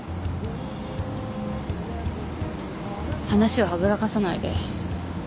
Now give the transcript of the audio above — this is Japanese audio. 話をはぐらかさないで。